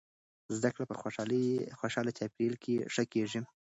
زده کړه په خوشحاله چاپیریال کې ښه کیږي.